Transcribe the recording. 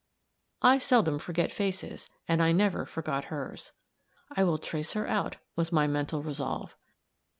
I seldom forget faces; and I never forgot hers. "I will trace her out," was my mental resolve.